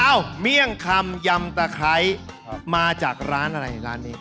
เมี่ยงคำยำตะไคร้มาจากร้านอะไรร้านนี้